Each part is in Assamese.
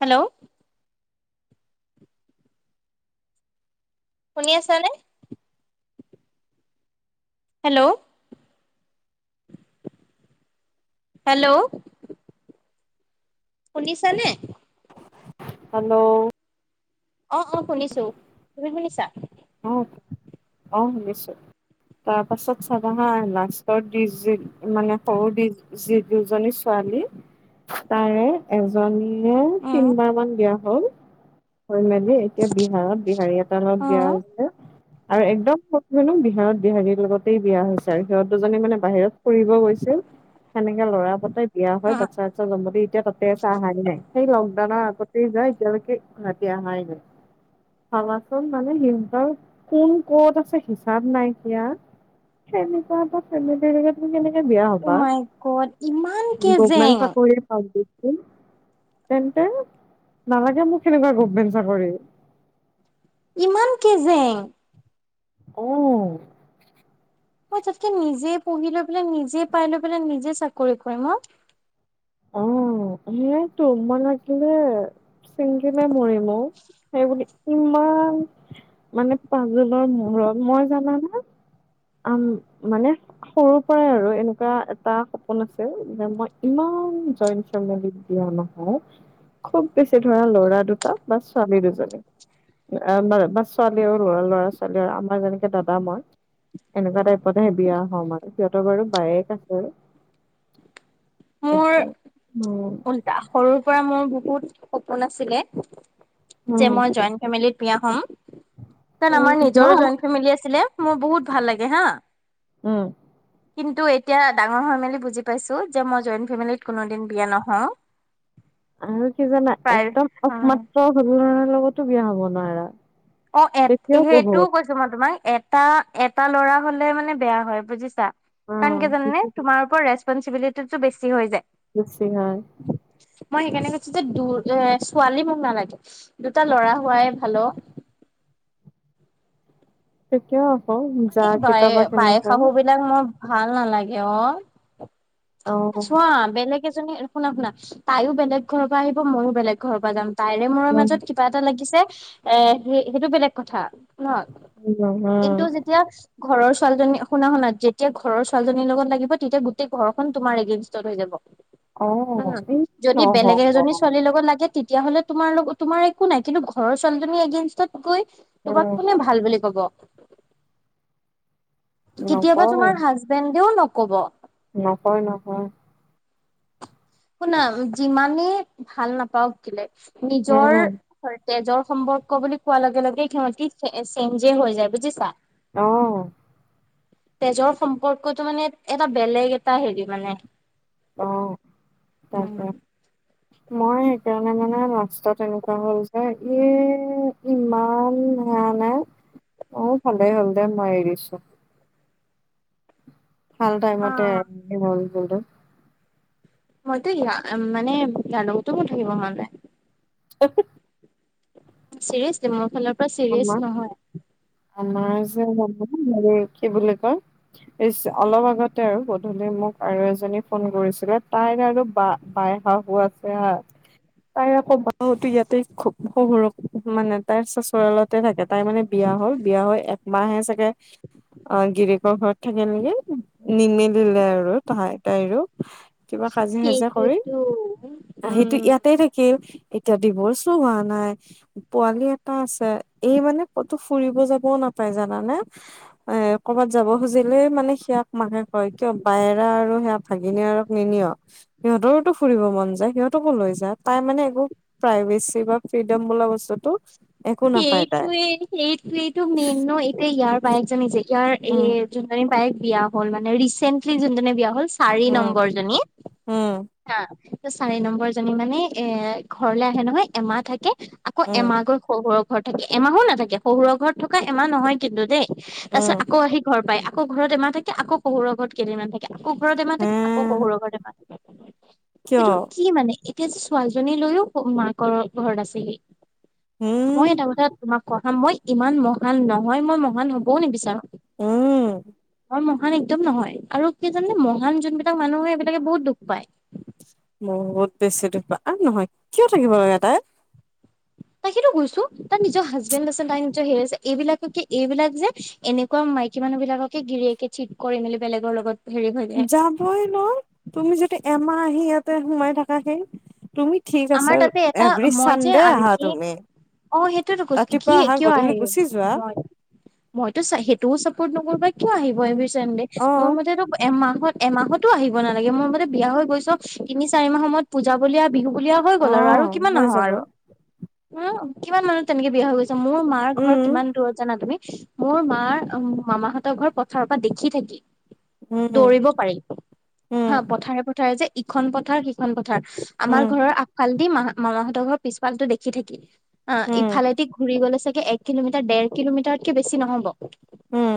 হেল্ল'। শুনিছা নে? হেল্ল'। হেল্ল'। শুনিছা নে। হেল্ল'। অ' অ' শুনিছো, তুমি শুনিছা? উম অ' শুনিছো তাৰ পাছত চাবা হা লাষ্টত দি মানে সৰু দি যি দুজনী ছোৱালী তাৰে এজনী উম, তিনবাৰ মান বিয়া হ'ল। থৈ মেলি এতিয়া বিহাৰত বিহাৰী এটা লগত বিয়া অ', হৈছে আৰু একদম। নো বিহাৰত বিহাৰীৰ লগতেই বিয়া হৈছে আৰু সিহঁত দুজনী মানে বাহিৰত ফুৰিব গৈছিল। সেনেকে ল'ৰা পতাই বিয়া হয় বাচ্ছা টাচ্ছা জন্ম দি এতিয়া তাতে আছে অহাই নাই সেই লকডাউনৰ আগত। এতিয়ালৈকে গুৱাহাটী আহাই নাই ভাবাচোন মানে। কোন কত আছে হিচাপ নাইকীয়া সেনেকুৱা এটা ফেমিলি লগত। কেনেকে বিয়া ও হবা মাই গড ইমান গমেন্ট কেজেং চাকৰি প তেন্তে নালাগে মোক হেনেকুৱা গভমেণ্ট চাকৰি। ইমান কেজেং। অ', মই তাতকে নিজে পঢ়ি লৈ পেলাই নিজে পাই লৈ পেলাই নিজে চাকৰি কৰিম অ' অ' সেয়াইটো মই না কেলে চিংগিলে মৰিম অ' সেই বুলি। ইমান মানে পাজোলৰ মূৰত মই জানানে। আ মানে। সৰু পৰাই আৰু এনেকুৱা এটা সপোন আছে যে মই ইমান। জইণ্ট ফেমিলিত বিয়া নহও খুব বেছি ধৰা ল'ৰা দুটা বা ছোৱালী দুজনী। আমা বা ছোৱালীও লৰা ল'ৰা ছোৱালীও আমাৰ যেনেকে দাদা মই। এনেকুৱা টাইপতহে বিয়া হ'ম আৰু সিহঁতৰ বাৰু বায়েক আছে। [unintelligible] একে উলটা সৰুৰ পৰা মোৰ বহুত সপোন আছিলে যে উম মই জইন্ট ফেমিলিত। বিয়া হম কাৰণ উম আমাৰ হোৱা নিজৰো জইন ফেমেলি আছিলে মোৰ বহুত ভাল লাগে হা। উম। কিন্তু এতিয়া ডাঙৰ হয় মেলি বুজি পাইছো। যে মই জইণ্ট ফেমেলিত কোনোদিন বিয়া নহও। আৰু কি জানা একদম অ'। একমাত্ৰ সৰু ল'ৰাৰ লগতো বিয়া হব নোৱাৰা। অ এট তেতিয়াও সেইটোও বহুত কৈছ ছো মই তোমাক এটা এটা ল'ৰা হলে মানে বেয়া হয় বুজিছা। অ কাৰণ কি জানানে তোমাৰ ওপৰত ৰেচপনচিবিলিটি টো বেছি হৈ যায়। বেছি হয়। মই সেইকাৰণে কৈছো যে দু এ ছোৱালী মোক নালাগে। দুটা ল'ৰা হোৱাই ভাল অ। তেতিয়াও আকৌ যা কেইটাবা কেনকা এইবিলাক মো ভাল নালাগে অ। অ চোৱা বেলেগ এজনী শুনা শুনা তাইও বেলেগ ঘৰৰ পা আহিব ময়ো বেলেগ ঘৰৰ পা যাম। তাইৰে মোৰ উম মাজত কিবা এটা লাগিছে এ সেই সেইটো বেলেগ কথা। ন উম উম কিন্তু যেতি তিয়া ঘৰৰ ছোৱালজনী শুনা শুনা যেতিয়া ঘৰৰ ছোৱালীজনীৰ লগত লাগিব তেতিয়া গোটেই। ঘৰখন তোমাৰ এগেইনষ্টত হৈ যাব অ উম এই যদি নহ'ব বেলেগ এজনী ছোৱালীৰ লগত লাগে। তেতিয়া হলে তোমাৰ লগ তোমাৰ একো নাই কিন্তু ঘৰৰ ছোৱালী এগেনষ্টত গৈ তোমাক উম কোনে ভা ভাল বুলি ক'ব। কেতিয়াবা নকয় তোমাৰ হাজবেণ্ডেও নকব। নকয় নকয়। শুনা যিমানেই ভাল নাপাওক কেলে নিজৰ। উম, হয় তেজৰ সম্পৰ্ক বুলি কোৱাৰ লগে লগে সিহতি চে চেঞ্জে হৈ যায় বুজিছা। অ। তেজৰ সম্পৰ্কতো মানে এটা বেলেগ এটা হেৰি মানে। অ তাকে। [inaudible] মই সেইকাৰণে মানে লাষ্টত এনেকুৱা হ'ল যে এই ইমান। মানে অ ভালেই হ'ল দে মই এৰিছো। ভাল টাইম মতে অ', [unintelligible] মইতো ইয়া মানে ইয়াৰ লগতো মোৰ থাকিব মন নাই [unintelligible] চিৰিয়েছলি মোৰ ফালৰ পৰা চিৰিয়াছ আমা নহয়। আমাৰ যে হেৰি কি বুলি কয়? ইচ অলপ আগতে আৰু গধূলি মোক আৰু এজনী ফোন কৰিছিলে তাইৰ আৰু বা বাই শাহু আছে হা। তাইৰ আকৌ বা হতি ইয়াতে শহুৰক মানে তাইৰ চচু ৰালতে থাকে তাই মানে বিয়া হ'ল বিয়া হৈ একমাহে চাগে অ, গিৰিকৰ ঘৰত থাকিল নেকি নিমেলিলে আৰু তাহ তাইৰো কিবা কাজিয়া চাজা কৰি সেইটোৱেতো আসিটি উম। ইয়াত। তে থাকিল এতিয়া ডিভৰ্চও হোৱা নাই পোৱালি এটা আছে। এই মানে কতো ফুৰিব যাবও নাপায় জানানে? এ ক'বাত যাব খুজিলে মানে সেয়াক মাকে কয় কিয় বাইৰা আৰু সেয়াক ভাগিনীয়েৰক নিনিয়? সিহঁতৰোতো ফুৰিব মন যায়, সিহঁতকো লৈ যা। তাই মানে একো প্ৰাইভেচি বা ফ্ৰীডম বোলা বস্তুটো একো নাপায় তাই সেইটোৱে, সেইটোৱেইটো মেইন ন'। এতিয়া ইয়াৰ বায়েকজনী যে ইয়াৰ এ উম যোনজনী বায়েক বিয়া হ'ল মানে, ৰিচেন্টলি যোনজনী বিয়া হ'ল চাৰি উম নম্বৰজনী। উম হা, তো চাৰি নম্বৰজনী মানে এ- ঘৰলৈ আহে নহয়, এমাহ থাকে। আকৌ উম এমাহ গৈ শহুৰৰ ঘৰত থাকে। এমাহো নাথাকে। শহৰৰ ঘৰত থকা এমাহ নহয় কিন্তু দেই। তাৰ পিছত উম আকৌ আহি ঘৰ পায়। আকৌ ঘৰত এমাহ থাকে, আকৌ শহুৰৰ ঘৰত কেইদিনমান থাকে আকৌ ঘৰৰ এমাহ হে থাকে, আকৌ শহুৰৰ ঘৰত এমাহ থাকে। কিয় এইটো কি মানে? কেছি ছোৱালীজনী লৈয়ো মাকৰৰ ঘৰত আছেহি। মই উম এটা কথা তোমাক কম হা, মই ইমান মহান নহয়, মই মহান হবও নিবিচাৰোঁ। উম। মই মহান একদম নহয়। আৰু কি জানানে? মহান যোনবিলাক মানুহ হয়, সেইবিলাকে বহুত দুখ পায়। বহুত বেছি দুখ পায়। আৰু নহয়, কিয় থাকিব লাগে তাই? তাকেটো কৈছোঁ। তাইৰ নিজৰ হাজবেণ্ড আছে, তাই নিজৰ হেৰি আছে, এইবিলাককে এইবিলাক যে এনেকুৱা মাইকী মানুহবিলাককে গিৰিয়েকে চিট কৰে মিলি বেলেগৰ লগত হেৰি হৈ যায় যাবই ন'। তুমি যদি এমাহ আহি ইয়াতে সোমাই থাকা সেই, তুমি ঠিক আছে আমাৰ তাতে এটা- এভৰি মই যে চানডে আহা আনকি তুমি অ', সেইটোতো কৈছোঁ ৰাতিপুৱা কি- আহা কিয় গধূলি আহে গুচি যোৱা মইতো চা- সেইটোও চাপৰ্ট নকৰোঁ পায়। কিয় আহিব উম এভৰি ছানদে। অ মোৰ মতেতো এমাহত- এমাহতো আহিব নালাগে। মোৰ মতে, বিয়া হৈ গৈছ। তিনি-চাৰি মাহ সময়ত পূজা বুলিয়া, বিহু বুলিয়া হৈ অ গ'ল আৰু, আৰু কিমান হৈ আহ যাব আৰু? উম, কিমান মানুহ তেনেকে বিয়া হৈ গৈছে। মোৰ মাৰ ঘৰ উম কিমান দূৰত, জানা তুমি? মোৰ মাৰ- মামাহঁতৰ ঘৰ পথাৰৰ পৰা দেখি থাকি। উম। কৰিব পাৰি, উম হা। পথাৰে - পথাৰে যে, ইখন পথাৰ সিখন পথাৰ। আমাৰ উম ঘৰৰ আগ ফালদি মাহা- মামাহঁতৰ ঘৰৰ পিছফালটো দেখি থাকি। অ' উম ইফালেদি ঘুৰি গলে চাগে এ ক কিলোমিটাৰ, ডেৰ কিলোমিটাৰতকে বেছি নহ'ব। উম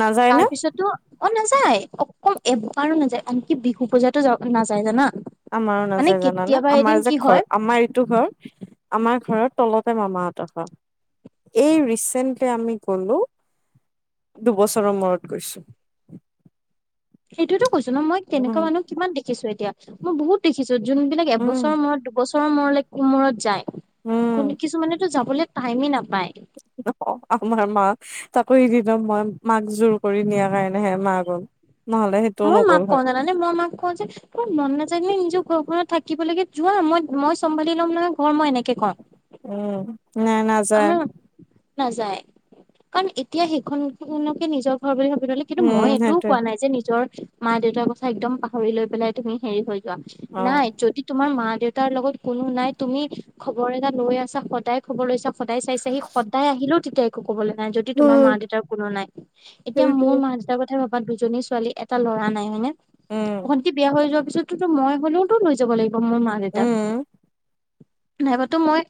নাযায় নে তাৰপিছত তোৰ- অ' নেযায়, অক- এবাৰো নাযায়। আনকি বিহু পূজাতো যা- নাযায়, জানা? আমাৰো মানে নাযায়, জানানে? কেতিয়াবা এদিন আমাৰ যে কি হয় ঘৰ আমাৰ এইটো ঘৰ, আমাৰ ঘৰৰ তলতে মামাহঁতৰ ঘৰ। এই ৰিচেন্টলি আমি গলোঁ। দুবছৰৰ মূৰত গৈছোঁ। সেইটোৱেতো কৈছোঁ ন' মই, উম তেনেকুৱা মানুহ কিমান দেখিছোঁ এতিয়া। মই বহুত দেখিছোঁ, যোনবিলাক উম এবছৰৰ মূৰত, দুবছৰৰ মূৰলৈ- মূৰত যায়। উম কোন- কিছুমানেতো যাবলৈ টাইমে নাপায়। অ' আমাৰ মা তাকো সেইদিনা মই মাক জোৰ কৰি নিয়াৰ কাৰণেহে মা গ'ল। নহলে সে মইও মাক কওঁ, জানানে? মই মাক কওঁ যে খুব মন নাযায় নে নিজৰ ঘৰখনত থাকিব লাগে। যোৱা, মই- মই চম্ভালি ল'ম নহয়, ঘৰ মই এনে উম, নাই না আমাৰো নাযায়। কাৰণ এতিয়া সেইখন- খনকে নিজৰ ঘৰ বুলি ভাবি থলে কিন্তু উম মই এইটোও সেইটোৱে কোৱা নাই যে, নিজৰ মা-দেউতাৰ কথা একদম পাহৰি লৈ পেলাই তুমি হেৰি হৈ যোৱা। অ নাই, যদি তোমাৰ মা-দেউতাৰ লগত কোনো নাই, তুমি খবৰ এটা লৈ আছা, সদায় খবৰ লৈছা সদায় চাইছাহি, সদায় আহিলেও তেতিয়া একো কবলৈ নাই, যদি তোমাৰ উম মা-দেউতাৰ কোনো নাই। এতিয়া মোৰ সেইটোৱে। মা-দেউতাৰ কথা ভা বা দুজনী ছোৱালী, এটা ল'ৰা নাই, হয়নে? উম ভণ্টি বিয়া হৈ যোৱাৰ পিছতোতো মই হ'লেও তো লৈ যাব লাগিব মোৰ মা-দেউতাক। উম নাইবাতো মই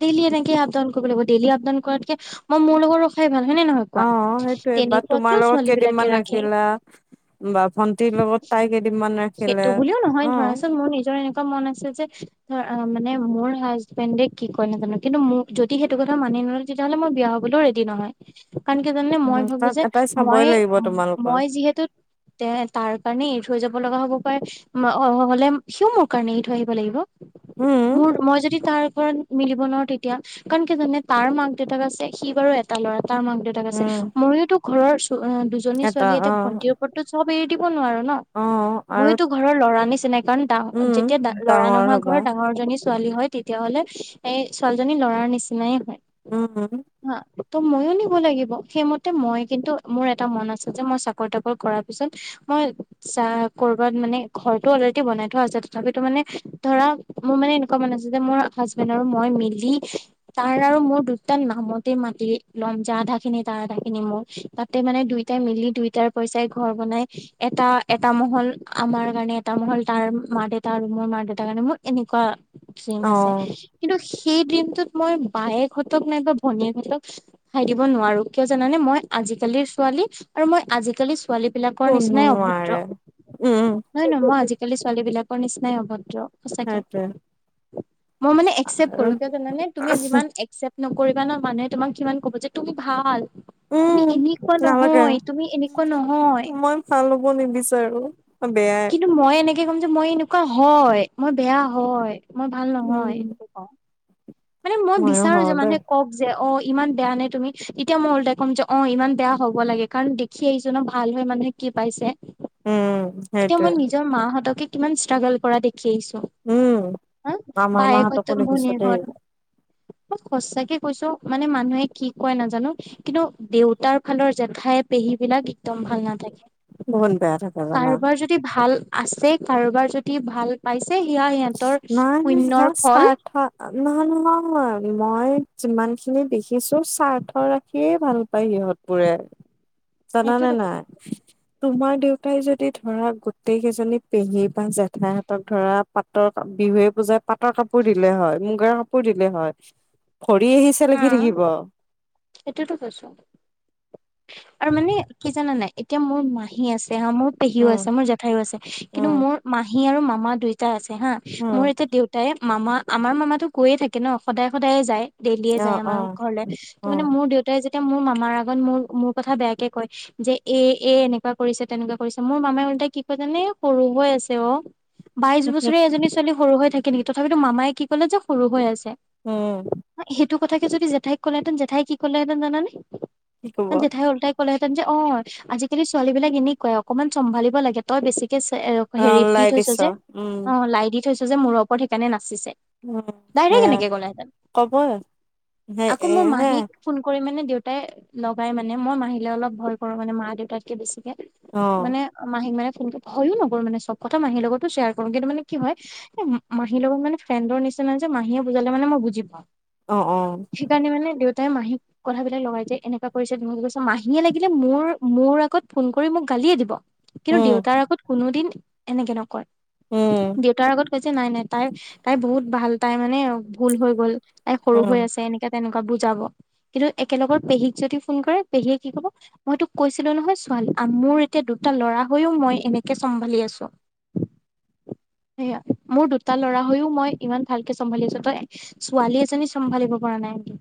দেইলি এনেকে আপ ডাউন কৰিব লাগিব। ডেইল আপ-ডাউন কৰাতকে মই মোৰ লগত ৰখাই ভাল, হয় নে নহয়? অ কোৱা। সেইটোয়ে বা তোমাৰ তেনেকুৱাকেও লগত ছোৱালীবিলাকে কেইদিনমান ৰাখে। ৰাখিলা বা ভন্টিৰ লগত তাই কেইদিনমান সেইটো ৰাখিলে বুলিও নহয় অ ধৰাচোন মোৰ নিজৰ এনেকুৱা- মন আছে যে, ধৰ মানে মোৰ হাজবেণ্ডে কি কয় নাজনো, কিন্তু মোৰ- যদি সেইটো কথা মানি নলয়, তেতিয়াহ'লে মই বিয়া হবলৈও ৰেডি নহয়। কাৰণ কি জানে উম মই ভাবো কাৰণ যে এটাই চাবই মই লাগিব তোমালোকৰ মই যিহেতু- তে তাৰ কাৰণে এৰি থৈ যাব লগা হব পাৰে অ, হলে সিও মোৰ কাৰণে এৰি থৈ আহিব লাগিব। উম মোৰ মই যদি তাৰ ওপৰত মিলিব নোৱাৰো তেতিয়া- কাৰণ কি জাননে তাৰ মাক দেউতাক আছে সি বাৰু এটা ল'ৰা তাৰ মাক দেউতাক- আছে উম ময়োতো ঘৰৰ চ দুজনী এটা ছোৱালীয়ে অ এতিয়া ভন্টিৰ ওপৰতো চব এৰি দিব নোৱাৰো ন। অ আৰু ময়তো ঘৰৰ লৰা নিচিনাই কাৰণ ডা উম যেতিয়া লৰা ডাঙৰ নোহোৱা হবা ঘৰৰ ডাঙৰ জনী- ছোৱালী হয় তেতিয়াহ'লে এই ছোৱালীজনী লৰাৰ নিচিনাই হয়। উম হম। হা ত' মইও নিব লাগিব, সেইমতে মই কিন্তু মোৰ এটা মন আছে যে মই চাকৰি তাকৰি কৰাৰ পিছত- মই যা কৰবাত মানে ঘৰতো অলৰেডি বনাই থোৱা আছে, তথাপিতো মানে- ধৰা মোৰ মানে এনেকুৱা মন আছে যে মোৰ হাজবেণ্ড আৰু মই মিলি- তাৰ আৰু মোৰ দুটা নামতে মাতি ল'ম, যা আধা খিনি তাৰ আধা খিনি মোৰ। তাতে মানে দুইটাই মিলি দুইটাৰ পইচাই ঘৰ বনাই এটা এটা মহল আমাৰ কাৰণে। এটা মহ'ল তাৰ মা দেউতা আৰু মোৰ মা দেউতাৰ কাৰণে মোৰ এনেকুৱা- ডিম অ আছে, কিন্তু সেই ডিমটোত মই বায়েক হতক নাইবা ভনীয়েক হতক- ঠাই দিব নোৱাৰো কিয় জানানে মই আজিকালিৰ ছোৱালী আৰু মই আজিকালি- ছোৱালী বিলাকৰ কোনো নিচিনাই অভদ্ৰ। নোৱাৰে উম নহয় নহয় মই আজিকালি ছোৱালী বিলাকৰ নিচিনাই অভদ্ৰ সঁচাকে। সেইটোৱে মই মানে একচেপ্ট আৰু কৰো জানে তুমি যিমান- একচেপ্ট নকৰিবা ন, মানুহে তোমাক সিমান কব যে তুমি ভাল। তুমি উম এনেকুৱা নহয় তুমি এনেকুৱা নহয়। চাহ ল'ব নিবিচাৰো বেয়াই। কিন্তু মই এনেকে ক'ম যে মই এনেকুৱা হয়, মই বেয়া হয় মই ভাল নহয়। উম কওঁ মানে মই ময়ো বিচাৰো হওঁ যে দে মানুহে কওক যে অ ইমান বেয়া নে তুমি তেতিয়া মই ওলতাই ক'ম যে অ ইমান বেয়া হ'ব লাগে কাৰণ দেখি আহিছোঁ ন ভাল হয় মানে কি পাইছে উম, এতিয়া সেইটোৱে মই নিজৰ মাহঁতকে কিমান ষ্ট্ৰাগল কৰা দেখি আহিছো। উম, হ আমাৰ বায়েক মাহঁতকো হত দেখিছো মনি দেই হল। ম সচাকে কৈছো মানে মানুহে কি কয় নাজানো। কিন্তু দেউতাৰ ফালৰ জেঠাই পেহী বিলাক একদম ভাল নাথাকে। বহুত বেয়া থাকে জা। কাৰোবাৰ যদি ভাল আছে কাৰোবাৰ যদি ভাল পাইছে সেয়া সিহঁতৰ নাই নাই সেয়া শূন্যৰ ফল। স্বাৰ্থ নহয় নহয় মই যিমান খিনি দেখিছো স্বাৰ্থ ৰাখিয়ে ভাল পায় সিহঁত বোৰে, [unintelligible] জানা নে নাই? [unintelligible] তোমাৰ দেউতাই যদি ধৰা গোটেই কেইজনী পেহী বা জেঠাই হতক ধৰা পাতৰ বিহুৱে পূজাই পাটৰ কাপোৰ দিলে হয়, মুগাৰ কাপোৰ দিলে হয়। ভৰি আহি চেলেকি থাকিব। এইটোৱেটো কৈছোঁ। আৰু মানে কি জানা নাই এতিয়া মোৰ মাহী আছে হা মোৰ পেহীও উম, আছে মোৰ জেঠাইও আছে কিন্তু উম, মোৰ মাহী আৰু মামা দুইটা আছে হা মোৰ উম, এতিয়া দেউতা তাই মামা আমাৰ মামাতো কৈয়ে থাকে ন সদায় সদায়ে যায়। ডেইলিয়ে যায় অ', আমাৰ অ', ঘৰলৈ ত মানে অ', মোৰ দেউতাই যেতিয়া মোৰ মামাৰ আগত মোৰ মোৰ কথা বেয়াকে কয় যে এ এ এনেকুৱা কৰিছে তেনেকুৱা কৰিছে মোৰ মামাই ওলটাই কি কয় জানে সৰু হৈ আছে অ। বাইশ বছৰীয়া এজনী ছোৱালী সৰু হৈ থাকে নেকি তথাপিতো মামাই কি কলে যে সৰু হৈ আছে। উম, সেইটো কথাকে যদি জেঠাইক কলেহেঁতেন জেঠাই কি ক'লেহেঁতেন জানানে? কি কব। জেঠাই উলতাই কলে হেঁতেন যে অ আজিকালি ছোৱালী বিলাক এনেকুৱাই অকনমান চম্ভালিব লাগে তই বেছিকে অ' হেৰি দি ওলাই থৈছ দিছ যে উম, অ লাই দি থৈছ যে মোৰৰ ওপৰত সেইকাৰণে নাচিছে। উম ডাইৰেক সেয়া এনেকে কলেহেঁতেন ক'বই সে আকৌ এ মোৰ হে মাহীক ফোন কৰি মানে দেউতাই লগাই মানে মই মাহিলে অলপ ভয় কৰো মানে মা দেউতাতকে বেছিকে। অ', মানে মাহীক মানে ফোনকে ভয়ো নকৰোঁ মানে চব কথা মাহীৰ লগতো শ্বেয়াৰ কৰো কিন্তু মানে কি হয় এ মাহীৰ লগত মানে ফ্ৰেণ্ডৰ নিচিনা যে মাহীয়ে বুজালে মানে মই বুজি পাওঁ। অ, অ, সেইকাৰণে মানে দেউতাই মাহীক কথাবিলাক লগাই যায় এনে এনেকুৱা কৰিছে তেনেকুৱা কৰিছে মাহীয়ে লাগিলে মোৰ মোৰ আগত ফোন কৰি মোক গালিয়ে দিব। কিন্তু উম, দেউতাৰ আগত কোনো দিন এনেকে নকয় উম, দেউতাৰ আগত যে নাই নাই তাই তাই বহুত ভাল তাই মানে ভুল হৈ গল তাই সৰু হৈ উম। আছে এনেক তেনেকুৱা বুজাব কিন্তু একেলগৰ পেহীক যদি ফোন কৰে পেহীয়ে কি কব। মই তোক কৈছিলো নহয় ছোৱালী মোৰ এতিয়া দুটা লৰা হৈও মই এনেকে চম্ভালি আছো। সেইয়া মোৰ দুটা ল'ৰা হৈও মই ইমান ভালকে চম্ভালিছো তই ছোৱালী এজনী চম্ভালিব পৰা নাই।